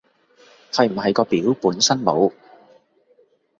係唔係個表本身冇